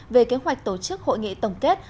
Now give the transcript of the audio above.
về kế hoạch tổ chức hội nghị tổng kết